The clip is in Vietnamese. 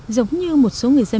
giống như một số người dân